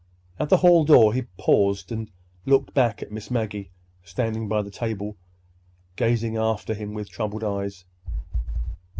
At the hall door he paused and looked back at Miss Maggie, standing by the table, gazing after him with troubled eyes.